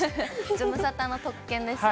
ズムサタの特権ですね。